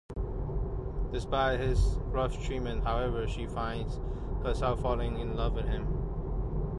Despite his rough treatment, however, she finds herself falling in love with him.